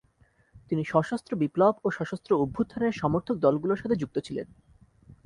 তিনি সশস্ত্র বিপ্লব ও সশস্ত্র অভ্যুত্থানের সমর্থক দলগুলাের সাথে যুক্ত ছিলেন।